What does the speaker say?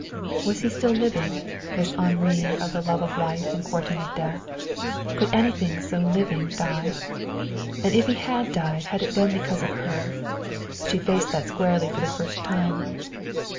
Was he still living, this Henri of the love of life and courting of death? Could anything so living die? And if he had died had it been because of her? She faced that squarely for the first time.